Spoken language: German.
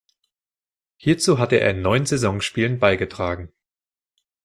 Hierzu hatte er in neun Saisonspielen beigetragen.